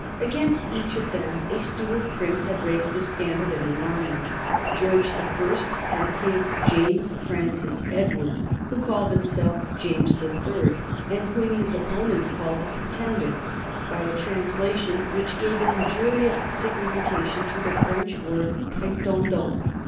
Against each of them a Stuart prince had raised a standard and an army. George the First had his James Francis Edward, who called himself James the Third, and whom his opponents called the Pretender, by a translation which gave an injurious signification to the French word "pretendant."